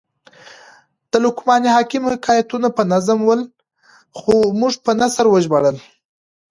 د لقمان حکم حکایتونه په نظم ول؛ خو موږ په نثر وژباړل.